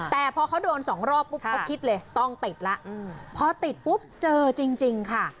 แต่พอเขาโดนสองรอบปุ๊บเขาคิดเลยต้องติดแล้วพอติดปุ๊บเจอจริงค่ะ